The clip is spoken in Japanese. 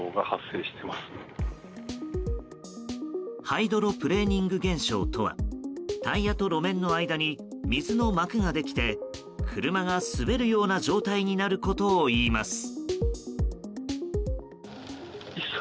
ハイドロプレーニング現象とはタイヤと路面の間に水の膜ができて車が滑るような状態になることをいいます。